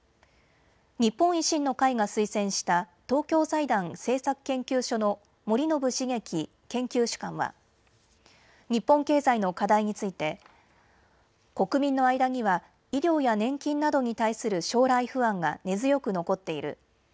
日本維新の会が推薦した東京財団政策研究所の森信茂樹研究主幹は日本経済の課題について国民の間には医療や年金などに対する将来不安が根強く残っている。